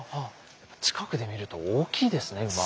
近くで見ると大きいですね馬。